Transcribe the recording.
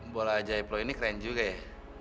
bola ajaib lo ini keren juga ya